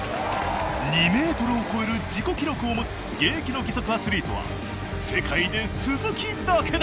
２ｍを超える自己記録を持つ現役の義足アスリートは世界で鈴木だけだ。